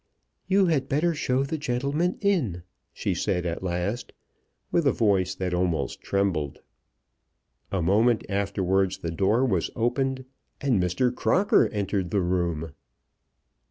"You had better show the gentleman in," she said at last, with a voice that almost trembled. A moment afterwards the door was opened, and Mr. Crocker entered the room!